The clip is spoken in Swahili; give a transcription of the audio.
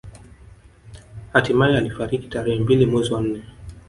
Hatimae alifariki tarehe mbili mwezi wa nne